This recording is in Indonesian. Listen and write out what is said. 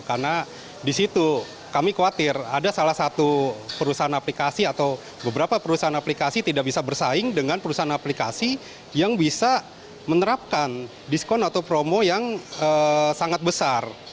karena di situ kami khawatir ada salah satu perusahaan aplikasi atau beberapa perusahaan aplikasi tidak bisa bersaing dengan perusahaan aplikasi yang bisa menerapkan diskon atau promo yang sangat besar